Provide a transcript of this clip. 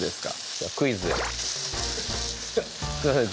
じゃあクイズでフフッすいません